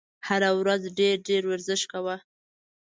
هره ورځ ډېر ډېر ورزش کوه !